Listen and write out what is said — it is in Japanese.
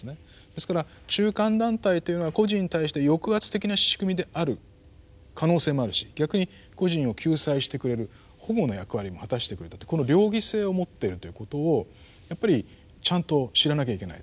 ですから中間団体というのは個人に対して抑圧的な仕組みである可能性もあるし逆に個人を救済してくれる保護の役割も果たしてくれたってこの両義性を持ってるということをやっぱりちゃんと知らなきゃいけないと。